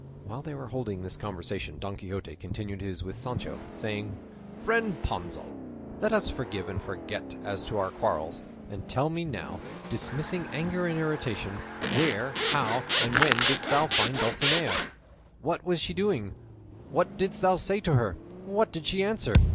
While they were holding this conversation Don Quixote continued his with Sancho, saying: "Friend Panza, let us forgive and forget as to our quarrels, and tell me now, dismissing anger and irritation, where, how, and when didst thou find Dulcinea? What was she doing? What didst thou say to her? What did she answer?